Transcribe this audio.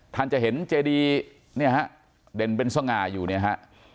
ท่านจะเห็นเจดีเนี่ยฮะเด่นเป็นสง่าอยู่เนี่ยฮะ